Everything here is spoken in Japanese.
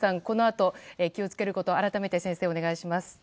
このあと気を付けること改めて先生、お願いします。